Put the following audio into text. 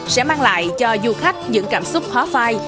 sẽ mang lại cho du khách những cảm xúc khó phai